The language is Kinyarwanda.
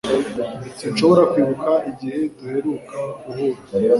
Sinshobora kwibuka igihe duheruka guhura